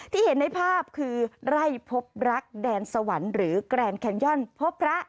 เห็นในภาพคือไร่พบรักแดนสวรรค์หรือแกรนดแคนย่อนพบพระ